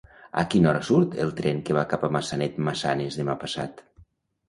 A quina hora surt el tren que va cap a Maçanet-Massanes demà passat?